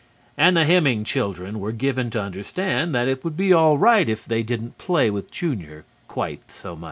And the Hemming children were given to understand that it would be all right if they didn't play with Junior quite so much.